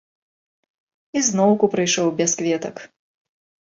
І зноўку прыйшоў без кветак.